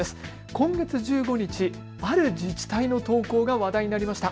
今月１５日、ある自治体の投稿が話題になりました。